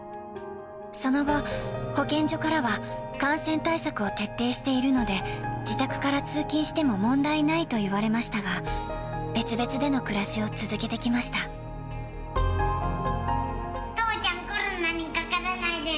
その後、保健所からは感染対策を徹底しているので、自宅から通勤しても問題ないと言われましたが、別々での暮らしを父ちゃん、コロナにかからないでね。